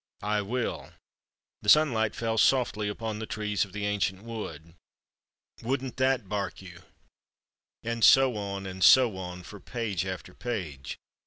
"I will. The sunlight fell softly upon the trees of the ancient wood." "Woodn't that bark you!" And so on, and so on, for page after page.